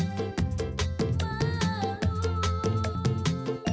kamu kagetan gila